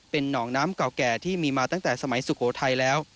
เป็นหนองน้ำเก่าแก่ที่มีมาตั้งแต่สมัยสุโขทัยแล้ว